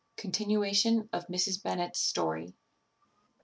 _Continuation of Mrs. Bennet's story.